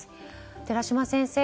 寺嶋先生